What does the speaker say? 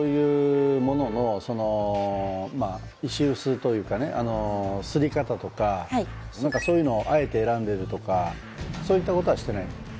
はいすり方とか何かそういうのをあえて選んでるとかそういったことはしてないんだ？